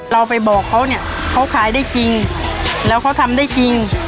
เราไปบอกเขาเนี่ยเขาขายได้จริงแล้วเขาทำได้จริง